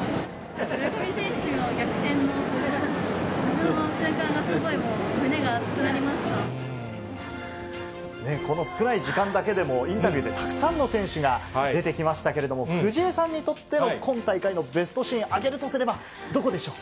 村上選手の逆転の瞬間が、この少ない時間だけでも、インタビューでたくさんの選手が出てきましたけれども、藤井さんにとっての今大会のベストシーン、挙げるとすれば、どこでしょう。